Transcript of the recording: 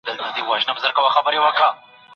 ظلم او زیاتی د زغملو وړ نه وو.